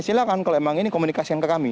silahkan kalau memang ini komunikasikan ke kami